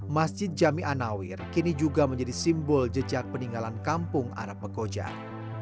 masjid jami'an nawir kini juga menjadi simbol jejak peninggalan kampung arab pekojan